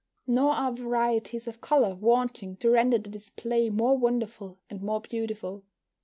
Nor are varieties of colour wanting to render the display more wonderful and more beautiful.